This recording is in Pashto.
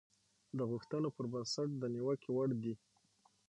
د غوښتنو پر بنسټ د نيوکې وړ دي.